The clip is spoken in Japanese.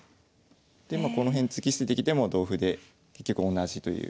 でまあこの辺突き捨ててきても同歩で結局同じという。